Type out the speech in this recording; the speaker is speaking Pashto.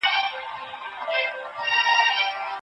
لیکوال د خپلو تجربو پر بنسټ دا کتاب لیکلی دی.